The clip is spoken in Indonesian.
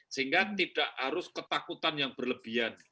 sehingga tidak harus ketakutan yang berlebihan